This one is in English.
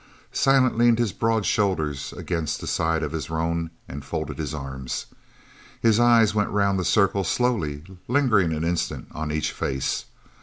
Silent leaned his broad shoulders against the side of his roan and folded his arms. His eyes went round the circle slowly, lingering an instant on each face.